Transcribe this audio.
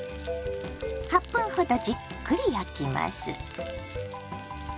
８分ほどじっくり焼きます。